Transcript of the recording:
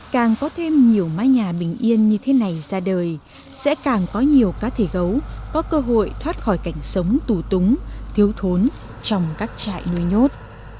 càng có thêm nhiều mái nhà bình yên như thế này ra đời sẽ càng có nhiều cá thể gấu có cơ hội thoát khỏi cảnh sống tù túng thiếu thốn trong các trại nuôi nhốt